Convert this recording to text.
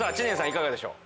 いかがでしょう？